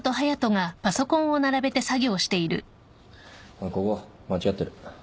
おいここ間違ってる。